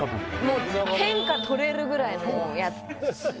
もう天下取れるぐらいのやつです